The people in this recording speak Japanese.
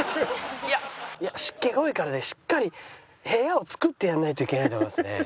湿気が多いからねしっかり部屋を作ってやんないといけないと思いますね。